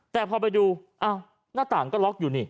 แต่พอไปดูอ้าวหน้าต่างก็ล็อกอยู่นี่